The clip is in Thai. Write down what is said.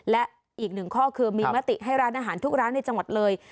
และอีกหนึ่งข้อคือมีมติให้ร้านอาหารทุกร้านในจังหวัดเลย